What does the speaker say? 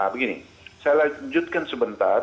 begini saya lanjutkan sebentar